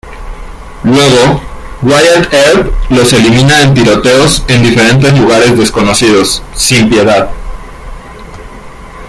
Luego, Wyatt Earp los elimina en tiroteos en diferentes lugares desconocidos, sin piedad.